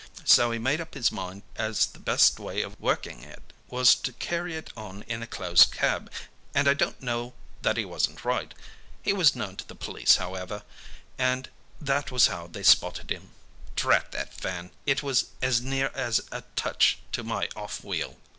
So he made up his mind as the best way of working it was to carry it on in a closed cab, and I don't know that he wasn't right. He was known to the police however, and that was how they spotted him. Drat that van! It was as near as a touch to my off wheel.